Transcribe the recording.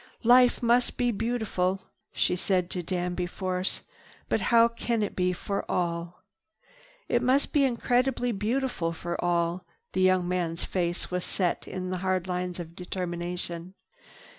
"Life must be beautiful," she said to Danby Force, "but how can it be, for all?" "It must be increasingly beautiful for all." The young man's face set in hard lines of determination.